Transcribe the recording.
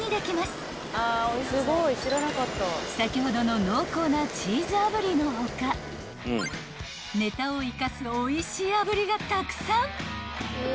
［先ほどの濃厚なチーズ炙りの他ネタを生かすおいしい炙りがたくさん］